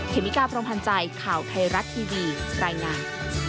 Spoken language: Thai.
เมกาพรมพันธ์ใจข่าวไทยรัฐทีวีรายงาน